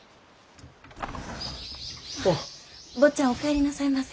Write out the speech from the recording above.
坊ちゃんお帰りなさいませ。